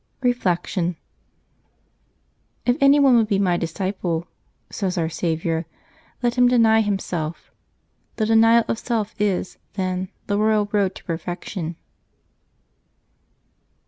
Reflection. — "If any one would be My disciple," says Our Saviour, " let him deny himself.'^ The denial of self is, then, the royal road to perfection.